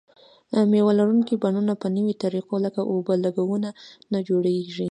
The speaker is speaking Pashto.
مېوه لرونکي بڼونه په نویو طریقو لکه اوبه لګونه جوړیږي.